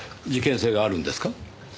事件性があるんですか？